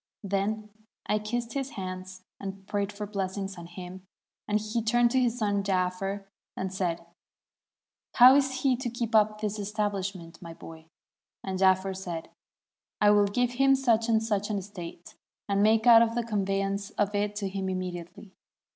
Then I kissed his hands, and prayed for bless ings on him, and he turned to his son Jaafer and said, 'How is he to keep up this estabhshment, my boy?' and Jaafer said, ' I will give him such and such an estate, and make out the conveyance of it to him immediately.'